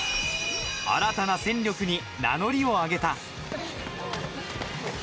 新たな戦力に名乗りをあげた。